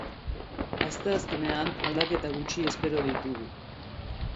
Asteazkenean, aldaketa gutxi espero ditugu.